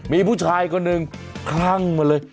มีผู้ชายคนหนึ่งคลั่งมาเลย